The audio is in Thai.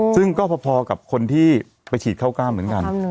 ซึ่งก็พอกับคนที่ไปฉีดเข้ากล้ามเหมือนกัน